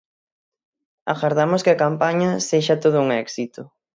Agardamos que a campaña sexa todo un éxito.